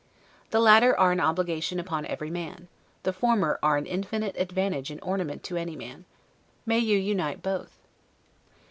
The latter are an obligation upon every man; the former are an infinite advantage and ornament to any man. May you unite both!